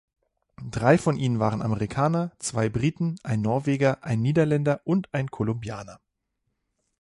Drei von ihnen waren Amerikaner, zwei Briten, ein Norweger, ein Niederländer und ein Kolumbianer.